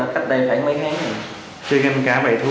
dạ cũng nhiều